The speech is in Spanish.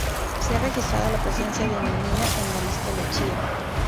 Se ha registrado la presencia de inulina en "Aristolochia".